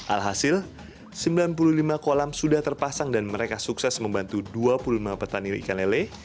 alhasil sembilan puluh lima kolam sudah terpasang dan mereka sukses membantu dua puluh lima petani ikan lele